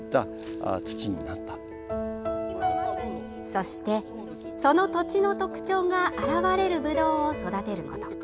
そして、その土地の特徴が表れるぶどうを育てること。